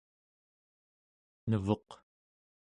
nevuq